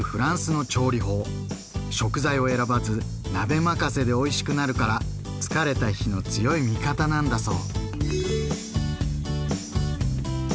食材を選ばず鍋任せでおいしくなるから疲れた日の強い味方なんだそう。